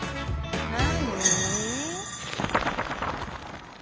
何？